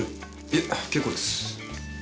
いや結構です。